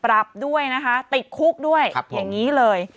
ปรับด้วยนะคะติดคุกด้วยอย่างนี้เลย